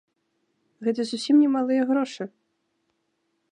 Гэта зусім немалыя грошы.